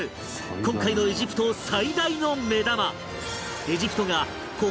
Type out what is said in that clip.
今回のエジプト最大の目玉